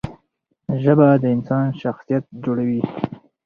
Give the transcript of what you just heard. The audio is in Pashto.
ژبه د انسان شخصیت جوړوي.